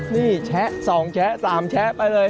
นี่แชะสองแชะสามแชะไปเลย